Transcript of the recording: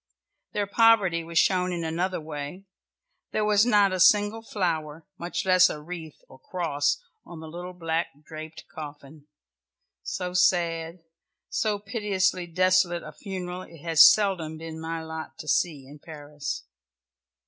Their poverty was shown in another way; there was not a single flower, much less a wreath or cross on the little black draped coffin so sad, so piteously desolate a funeral it has seldom been my lot to see in Paris.